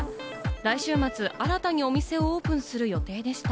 来週末、新たにお店をオープンする予定でした。